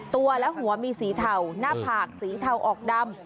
ตัวและหัวมีสีเทาหน้าผากสีเทาออกดำ